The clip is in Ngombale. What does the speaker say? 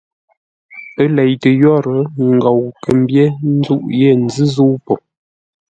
Ə́ leitə yórə́ ngou kə̂ mbyér nzûʼ yé nzʉ́ zə̂u po.